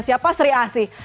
siapa sri asih